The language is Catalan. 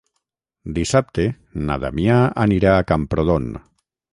Dissabte na Damià anirà a Camprodon.